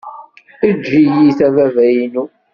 Eǧǧ-iyi-t a baba-inu.